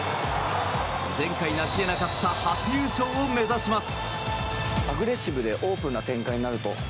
前回、成し得なかった初優勝を目指します。